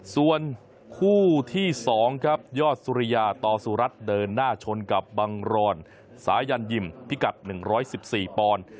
ส่วนคู่ที่๒ครับยอดสุริยาต่อสุรัตน์เดินหน้าชนกับบังรอนสายันยิมพิกัด๑๑๔ปอนด์